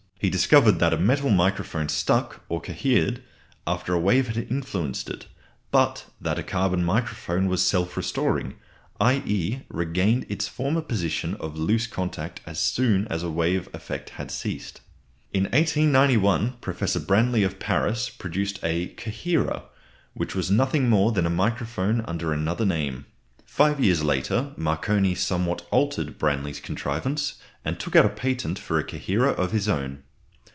He discovered that a metal microphone stuck, or cohered, after a wave had influenced it, but that a carbon microphone was self restoring, i.e. regained its former position of loose contact as soon as a wave effect had ceased. In 1891 Professor Branly of Paris produced a "coherer," which was nothing more than a microphone under another name. Five years later Marconi somewhat altered Branly's contrivance, and took out a patent for a coherer of his own.